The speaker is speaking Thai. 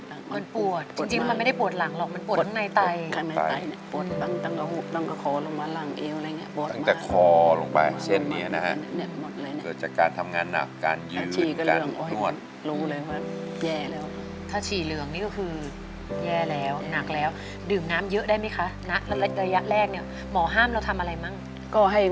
มันปวดจริงมันไม่ได้ปวดหลังหรอกมันปวดฝั่งในไต